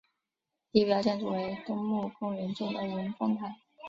地标建筑为东皋公园中的文峰塔。